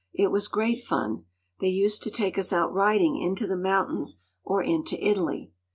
It was great fun. They used to take us out riding into the mountains, or into Italy.